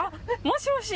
もしもし。